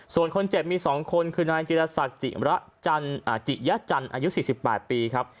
ส่วนคนเจ็บมี๒คนคือนายจิลศักดิ์จิมจิยจันทร์อายุ๔๘ปีครับ